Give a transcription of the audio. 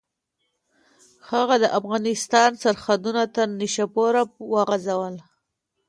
هغه د افغانستان سرحدونه تر نیشاپوره وغځول.